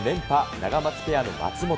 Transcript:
ナガマツペアの松本。